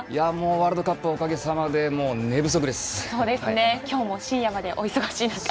ワールドカップおかげさまで寝不足です。